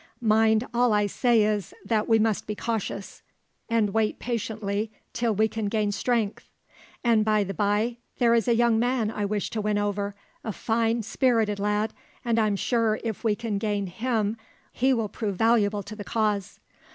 Mind, all I say is, that we must be cautious, and wait patiently till we can gain strength; and by the bye there is a young man I wish to win over, a fine, spirited lad, and I'm sure if we can gain him he will prove valuable to the cause.